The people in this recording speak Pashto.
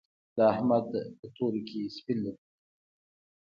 د احمد په تورو کې سپين لګېدلي دي.